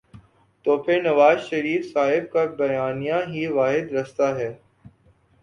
تو پھر نوازشریف صاحب کا بیانیہ ہی واحد راستہ ہے۔